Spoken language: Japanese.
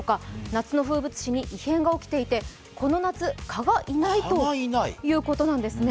夏の風物詩に異変が起きていて、この夏、蚊がいないということなんですね。